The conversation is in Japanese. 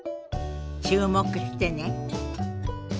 注目してね。